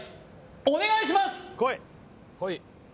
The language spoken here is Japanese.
お願いします